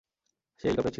সে এই হেলিকপ্টারেই ছিল।